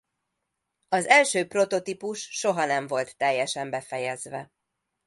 Az első prototípus soha nem volt teljesen befejezve.